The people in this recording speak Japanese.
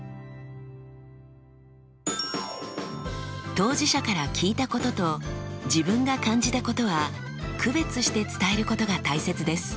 当事者から聞いたことと自分が感じたことは区別して伝えることが大切です。